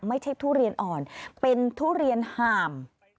ไม่ใช่ทุเรียนอ่อนเป็นทุเรียนหาม